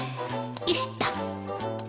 よしっと